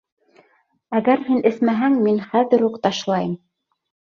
Әгәр һин эсмәһәң, мин хәҙер үк ташлайым.